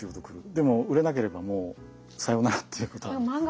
でも売れなければもうさようならっていうことに。